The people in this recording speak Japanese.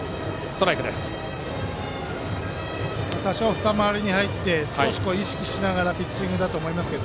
二回り目に入って少し意識しながらのピッチングだと思います。